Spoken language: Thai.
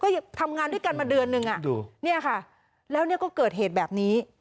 ก็ทำงานด้วยกันมาเดือนนึงอ่ะดูเนี่ยค่ะแล้วเนี่ยก็เกิดเหตุแบบนี้